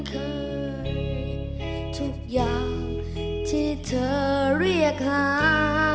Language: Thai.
ทุกอย่างที่เธอเรียกหา